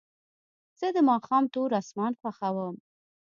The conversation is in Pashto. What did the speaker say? زه د ماښام تور اسمان خوښوم.